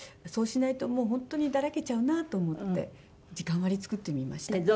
そうしないともう本当にだらけちゃうなと思って時間割作ってみました。